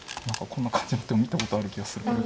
何かこんな感じの手を見たことある気がする。